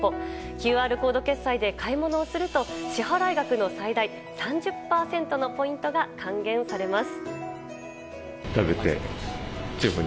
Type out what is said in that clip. ＱＲコード決済で買い物をすると支払額の最大３０％のポイントが還元されます。